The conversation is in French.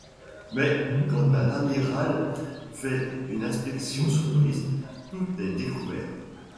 Mais quand un amiral fait une inspection surprise, tout est découvert.